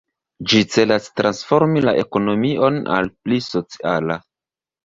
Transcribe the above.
Ĝi celas transformi la ekonomion al pli sociala.